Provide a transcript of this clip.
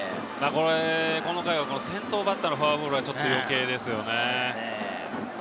この回は先頭バッターのフォアボールはちょっと余計ですよね。